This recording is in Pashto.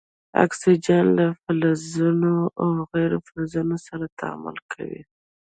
اکسیجن له فلزونو او غیر فلزونو سره تعامل کوي.